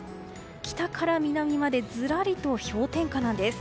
北から南までずらりと氷点下なんです。